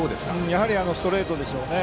やはりストレートでしょうね。